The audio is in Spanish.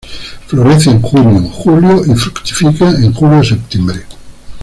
Florece en junio-julio y fructifica en julio-septiembre.